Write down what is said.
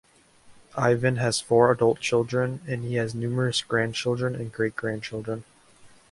Ivan has four adult children and he has numerous grandchildren and great grandchildren.